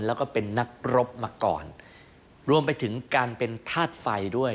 แล้วก็เป็นนักรบมาก่อนรวมไปถึงการเป็นธาตุไฟด้วย